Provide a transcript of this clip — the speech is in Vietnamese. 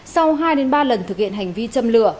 sau hai ba lần thực hiện hành vi châm lửa